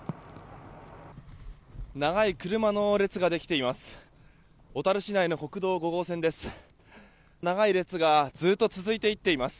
長い車の列ができています。